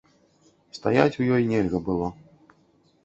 Стаяць у ёй нельга было.